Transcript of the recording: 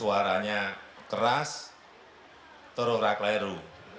suaranya keras terus rakeleru